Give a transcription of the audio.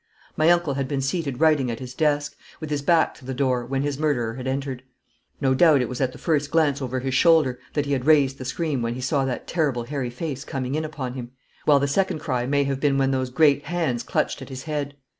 My uncle had been seated writing at his desk, with his back to the door, when his murderer had entered. No doubt it was at the first glance over his shoulder that he had raised the scream when he saw that terrible hairy face coming in upon him, while the second cry may have been when those great hands clutched at his head.